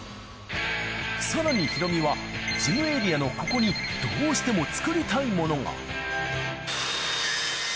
さらにヒロミは、事務エリアのここにどうしても作りたいものが。